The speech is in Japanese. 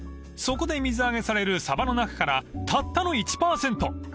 ［そこで水揚げされるサバの中からたったの１％］